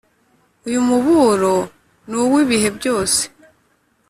uyu muburo ni uw’ibihe byose